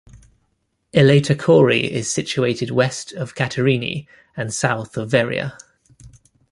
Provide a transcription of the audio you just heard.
Elatochori is situated west of Katerini, and south of Veria.